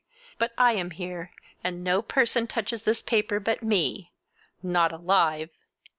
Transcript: But I am here, and no person touches this paper but me—not alive!